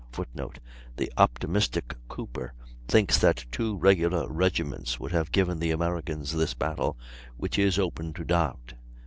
[Footnote: The optimistic Cooper thinks that two regular regiments would have given the Americans this battle which is open to doubt.